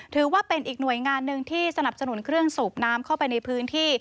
ถือว่าเป็นอีกหน่วยงานหนึ่งที่สนับสนุนเครื่องสูบน้ำเข้าไปในพื้นที่